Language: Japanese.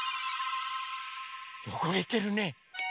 よごれてるね。